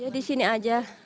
iya di sini aja